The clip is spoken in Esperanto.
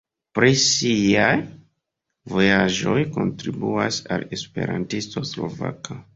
Pri siaj vojaĝoj kontribuas al Esperantisto Slovaka.